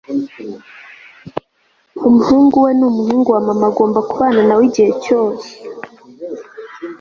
umuhungu we ni umuhungu wa mama agomba kubana na we igihe cyose